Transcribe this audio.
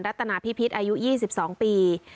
รัตนาพิพิษอายุยี่สิบสองปี